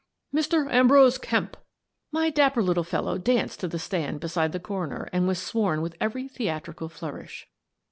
"Mr. Ambrose Kemp !" My dapper little fellow danced to the stand beside the coroner and was sworn with every theatrical flourish.